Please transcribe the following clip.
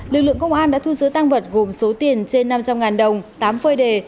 lực lượng công an đã thu giữ tăng vật gồm số tiền trên năm trăm linh đồng tám phơi đề